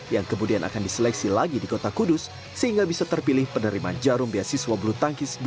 yang kemudian akan diseleksi lagi di kota kudus sehingga bisa terpilih penerimaan jarum biasiswa blue tankis dua ribu tujuh belas